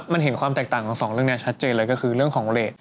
มันเห็นความแตกต่างของสองเรื่องนี้ชัดเจนเลยก็คือเรื่องของเลส